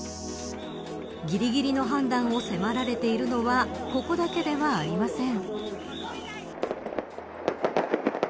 ぎりぎりの判断を迫られているのはここだけではありません。